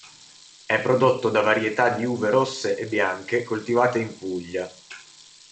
È prodotto da varietà di uve rosse e bianche coltivate in Puglia.